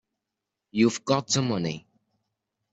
You've got the money.